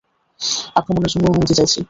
আক্রমণের জন্য অনুমতি চাইছি।